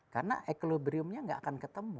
karena equilibriumnya gak akan ketemu